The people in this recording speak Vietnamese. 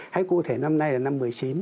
hãy cụ thể năm nay là năm một mươi chín